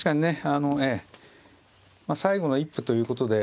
最後の一歩ということで。